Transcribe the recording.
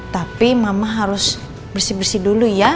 tapi mama harus bersih bersih dulu ya